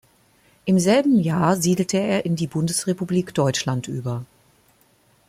Im selben Jahr siedelte er in die Bundesrepublik Deutschland über.